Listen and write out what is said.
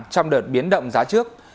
trong đợt biến động giá trước